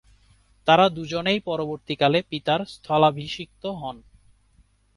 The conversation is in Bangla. তারা দুজনেই পরবর্তীকালে পিতার স্থলাভিষিক্ত হন।